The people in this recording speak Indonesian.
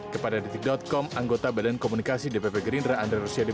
kepada detik com anggota badan komunikasi dpp gerindra andre rosiade